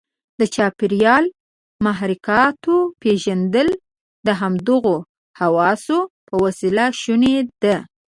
د چاپیریال محرکاتو پېژندل د همدغو حواسو په وسیله شونې ده.